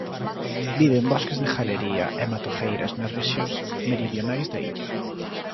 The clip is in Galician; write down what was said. Vive en bosques de galería e matogueiras das rexións meridionais da illa.